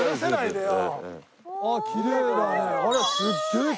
ああきれいだね。